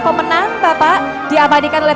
pemenang bapak diabadikan oleh